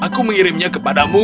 aku mengirimnya kepadamu